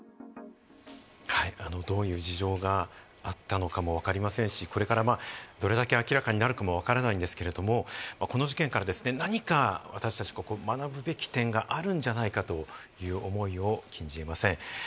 はい、どういう事情があったのかもわかりませんし、これからどれだけ明らかになるかもわからないんですけれども、この事件から何か私達、学ぶべき点があるんじゃないかという思いを禁じ得ません。